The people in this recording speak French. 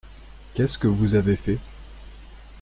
Qu’est-ce que vous avez fait ?